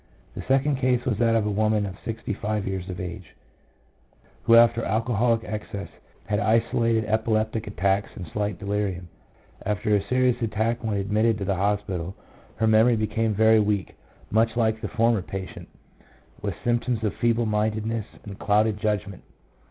The second case was that of a woman of sixty five years of age, who after alcoholic excess had isolated epileptic attacks, and slight delirium. After a serious attack when admitted to the hospital, her memory became very weak, much like the former patient, with symptoms of feeble mindedness and clouded judg ment.